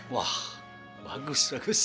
wah bagus bagus